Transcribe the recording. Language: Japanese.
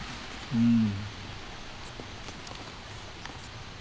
うん。